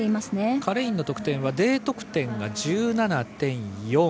カレインの得点はＤ得点が１７．４。